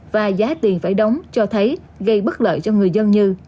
và giá tiền phải đóng cho thấy gây bất lợi cho người dân như